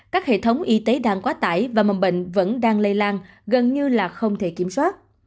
các hệ thống y tế đang quá tải và mầm bệnh vẫn đang lây lan gần như là không thể kiểm soát